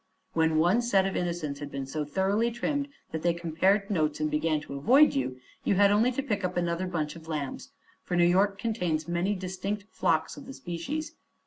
When one set of innocents had been so thoroughly trimmed that they compared notes and began to avoid you, you had only to pick up another bunch of lambs, for New York contains many distinct flocks of the species.